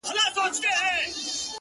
o په خبرو کي خبري پيدا کيږي ـ